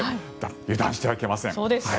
油断してはいけません。